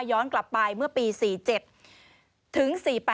ย้อนกลับไปเมื่อปี๔๗ถึง๔๘